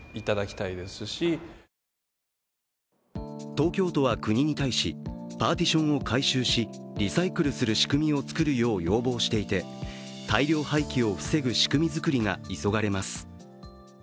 東京都は国に対し、パーティションを回収しリサイクルする仕組みを作るよう要望していて大量廃棄を防ぐ仕組み作りが急がれます。